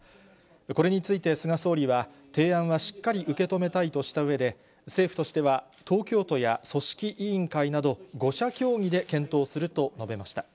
これについて菅総理は、提案はしっかり受け止めたいとしたうえで、政府としては東京都や組織委員会など、５者協議で検討すると述べました。